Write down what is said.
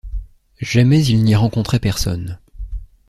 Jamais il n’y rencontrait personne.